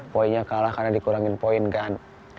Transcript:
poinnya kalah karena dikurangin poin kan